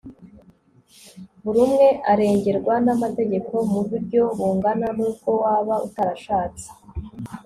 buri umwe arengerwa n'amategeko mu buryo bungana, n'ubwo waba utarashatse